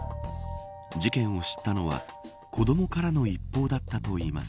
事件を知ったのは子どもからの一報だったといいます。